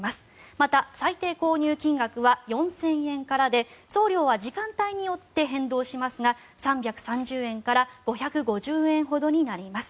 また、最低購入金額は４０００円からで送料は時間帯によって変動しますが３３０円から５５０円ほどになります。